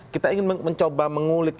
kita ingin mencoba mengulik